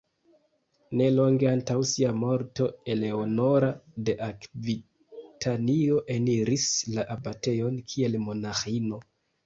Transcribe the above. Ne longe antaŭ sia morto Eleonora de Akvitanio eniris la abatejon kiel monaĥino.